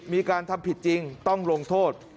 มีการทำผิดจริงต้องลงโทษ